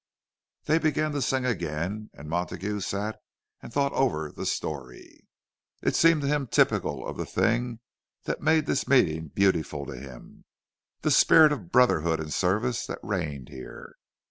They began to sing again, and Montague sat and thought over the story. It seemed to him typical of the thing that made this meeting beautiful to him—of the spirit of brotherhood and service that reigned here.